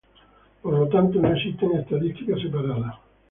Por lo tanto, no existen estadísticas separadas.